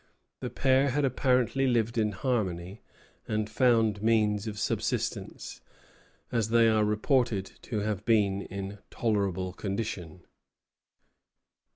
The pair had apparently lived in harmony, and found means of subsistence, as they are reported to have been in tolerable condition.